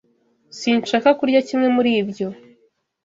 Sinshaka kurya kimwe muri ibyo.